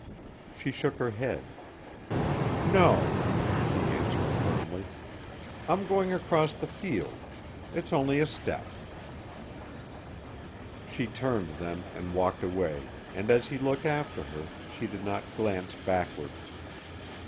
She shook her head. "No," she answered firmly, "I'm going across the field. It's only a step." She turned then and walked away and as he looked after her she did not glance backward.